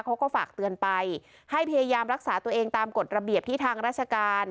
เขาก็ฝากเตือนไปให้พยายามรักษาตัวเองตามกฎระเบียบที่ทางราชการ